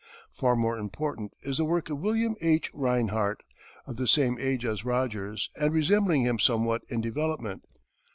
Far more important is the work of William H. Rinehart, of the same age as Rogers, and resembling him somewhat in development.